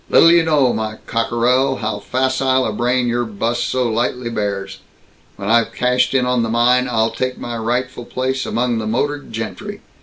Little you know, my cockerel, how facile a brain your 'bus so lightly bears. When I've cashed in on the mine, I'll take my rightful place among the motored gentry.